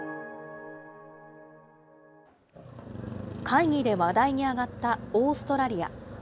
会議で話題に上がったオーストラリア。